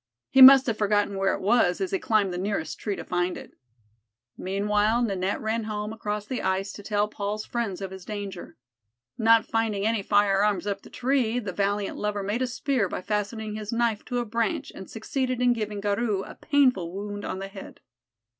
He must have forgotten where it was, as he climbed the nearest tree to find it. Meanwhile Ninette ran home across the ice to tell Paul's friends of his danger. Not finding any firearms up the tree, the valiant lover made a spear by fastening his knife to a branch and succeeded in giving Garou a painful wound on the head.